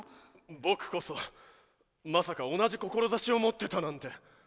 僕こそまさか同じ志を持ってたなんて。